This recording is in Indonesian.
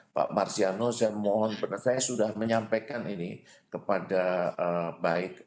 pak marsiano saya mohon saya sudah menyampaikan ini kepada baik koi maupun npc